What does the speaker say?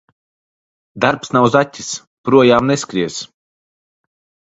Darbs nav zaķis – projām neskries.